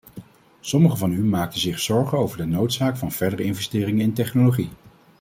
Sommigen van u maakten zich zorgen over de noodzaak van verdere investeringen in technologie.